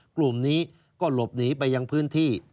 กลุ่มนี้ก็หลบหนีไปยังพื้นที่